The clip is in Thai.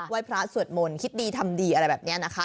ไว้พระสวดมนต์คิดดีทำดีอะไรแบบนี้นะคะ